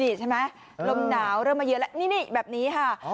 นี่ใช่ไหมลมหนาวเริ่มมาเยอะแล้วนี่แบบนี้ค่ะ